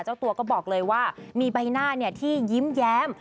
เจ้าตัวก็บอกเลยว่ามีใบหน้าที่ยิ้มแย้ม